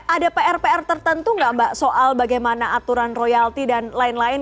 ada pr pr tertentu nggak mbak soal bagaimana aturan royalti dan lain lain